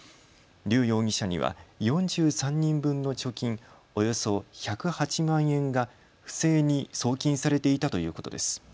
劉容疑者には４３人分の貯金およそ１０８万円が不正に送金されていたということです。